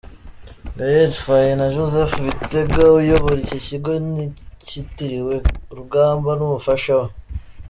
Gael Faye na Joseph Bitega uyobora iki kigo kitiriwe Rugamba n'umufasha we.